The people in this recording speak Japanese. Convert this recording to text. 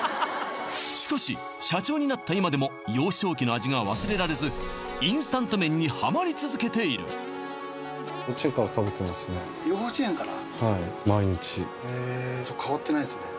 しかし社長になった今でも幼少期の味が忘れられずインスタント麺にハマり続けている幼稚園から？